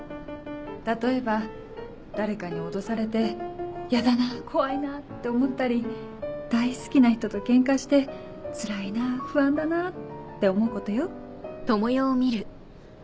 例えば誰かに脅されて「やだな怖いな」って思ったり大好きな人とケンカして「つらいな不安だな」って思うことよ。